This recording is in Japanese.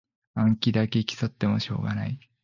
暗記だけ競ってもしょうがない